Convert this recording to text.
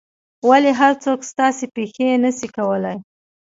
ولي هر څوک ستاسو پېښې نه سي کولای؟